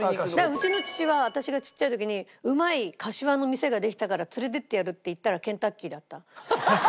うちの父は私がちっちゃい時に「うまいかしわの店ができたから連れていってやる」って行ったらケンタッキーだった。